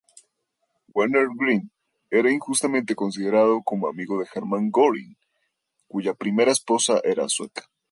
Wenner-Gren era injustamente considerado como amigo de Hermann Göring, cuya primera esposa era sueca.